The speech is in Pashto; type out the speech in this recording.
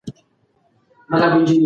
د موبایل سکرین په توره شپه کې رڼا وکړه.